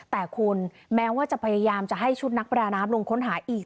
แต่คุณแม้ว่าจะพยายามจะให้ชุดนักประดาน้ำลงค้นหาอีก